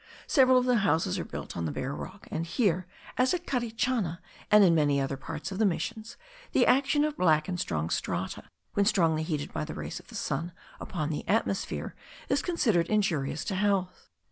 Several of the houses are built on the bare rock; and here, as at Carichana, and in many other parts of the missions, the action of black and strong strata, when strongly heated by the rays of the sun upon the atmosphere, is considered injurious to health.